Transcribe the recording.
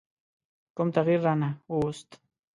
کوم تغییر رانه ووست.